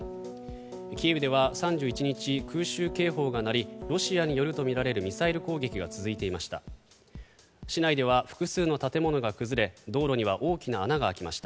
キーウでは３１日空襲警報が鳴りロシアによるとみられるミサイル攻撃が続いていました。